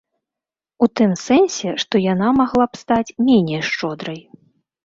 У тым сэнсе, што яна магла б стаць меней шчодрай.